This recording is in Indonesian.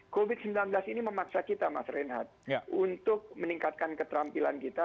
covid sembilan belas ini memaksa kita mas reinhardt untuk meningkatkan keterampilan kita